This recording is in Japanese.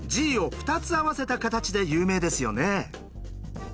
Ｇを２つ合わせた形で有名ですよね。